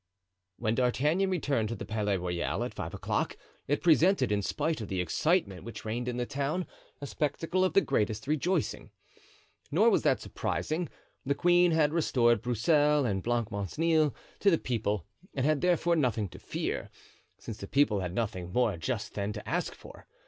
When D'Artagnan returned to the Palais Royal at five o'clock, it presented, in spite of the excitement which reigned in the town, a spectacle of the greatest rejoicing. Nor was that surprising. The queen had restored Broussel and Blancmesnil to the people and had therefore nothing to fear, since the people had nothing more just then to ask for.